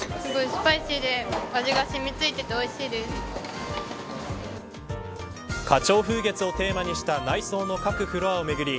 スパイシーで味が染みついていて花鳥風月をテーマにした内装の各フロアを巡り